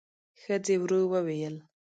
ښځې ورو وویل: